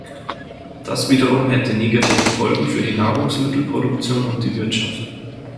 Das wiederum hätte negative Folgen für die Nahrungsmittelproduktion und die Wirtschaft.